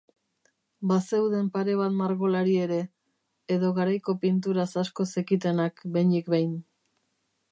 Bazeuden pare bat margolari ere, edo garaiko pinturaz asko zekitenak behinik behin.